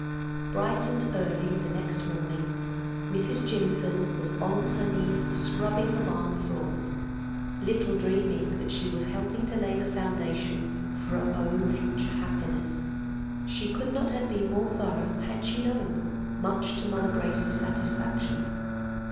'" Bright and early next morning Mrs. Jimson was on her knees scrubbing the barn floors, little dreaming that she was helping to lay the foundation for her own future happiness. She could not have been more thorough, had she known, much to Mother Brace's satisfaction.